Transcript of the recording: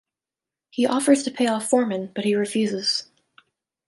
He offers to pay off Foreman, but he refuses.